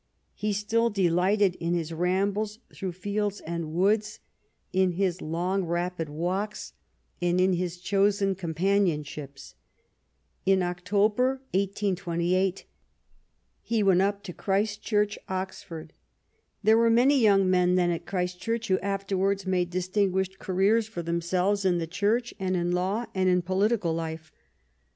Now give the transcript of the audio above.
He still delighted in his rambles through fields and woods, in his long, rapid walks, and in his chosen com panionships. In October, 1828, he went up to Christchurch, Oxford. There were many young men then at Christchurch who afterwards made distinguished careers for themselves in the Church and in law and in political life.